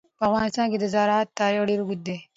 په افغانستان کې د زراعت تاریخ ډېر اوږد دی.